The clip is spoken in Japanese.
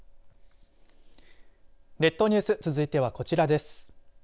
列島ニュース続いてはこちらです。